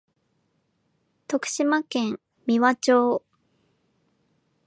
徳島県美波町